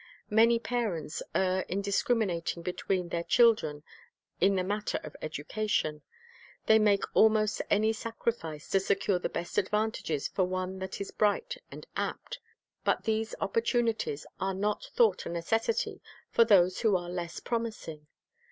Many parents err in discriminating between their children in the matter of education. They make almost any sacrifice to secure the best advantages for one that is bright and apt. But these opportunities are not thought a necessity for those who arc less promising.